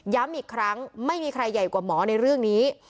อีกครั้งไม่มีใครใหญ่กว่าหมอในเรื่องนี้